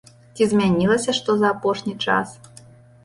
Ці змянілася што за апошні час?